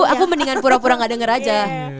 aku mendingan pura pura gak denger aja